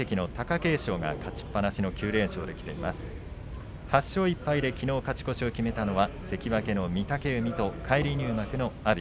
８勝１敗、きのう勝ち越しを決めたのは関脇の御嶽海と返り入幕の阿炎。